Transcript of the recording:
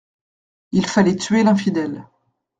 Il fallait tuer l'infidèle.